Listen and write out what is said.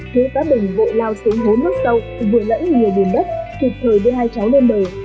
thế giá bình vội lao xuống hồ nước sâu vừa lẫn người biển đất kịp thời đưa hai cháu lên đời